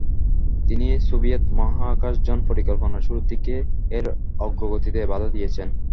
তিনি সোভিয়েত মহাকাশযান পরিকল্পনার শুরুর দিকে এর অগ্রগতিতে বাঁধা দিয়েছেন।